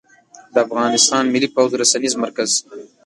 د افغانستان ملى پوځ رسنيز مرکز